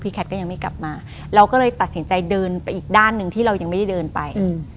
แคทก็ยังไม่กลับมาเราก็เลยตัดสินใจเดินไปอีกด้านหนึ่งที่เรายังไม่ได้เดินไป